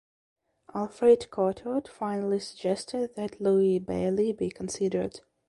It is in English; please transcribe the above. Alfred Cortot finally suggested that Louis Bailly be considered.